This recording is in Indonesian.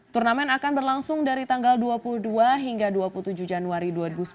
turnamen akan berlangsung dari tanggal dua puluh dua hingga dua puluh tujuh januari dua ribu sembilan belas